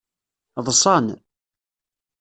Ḍṣan.